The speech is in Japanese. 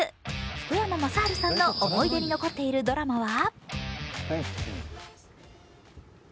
福山雅治さんの思い出に残っているドラマは？